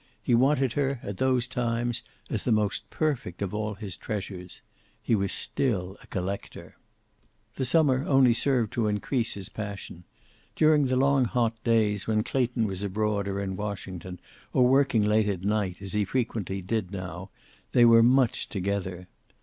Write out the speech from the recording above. He wanted her, at those times, as the most perfect of all his treasures. He was still a collector! The summer only served to increase his passion. During the long hot days, when Clayton was abroad or in Washington, or working late at night, as he frequently did how, they were much together.